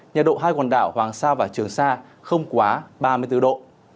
nhiệt độ hai quần đảo hoàng sa và trường sa không quá ba mươi bốn độ